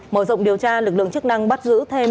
mở rộng điều tra lực lượng chức năng bắt giữ thêm